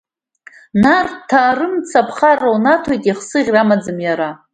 Нарҭаа рымца аԥхара унаҭоит, еихсыӷьра амаӡам иара.